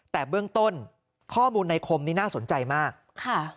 แต่เบื้องต้นข้อมูลในคมนี้น่าสนใจมากค่ะ